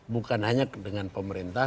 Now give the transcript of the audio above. bukan hanya dengan pemerintah